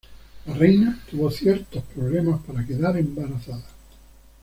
La reina tuvo ciertos problemas para quedar embarazada.